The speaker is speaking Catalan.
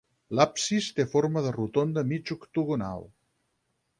L'absis té forma de rotonda mig octogonal.